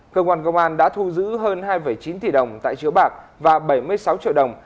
cơ quan công an đã thu giữ hơn hai chín tỷ đồng tại chiếu bạc và bảy mươi sáu triệu đồng